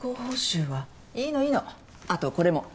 いいのいいの後これも。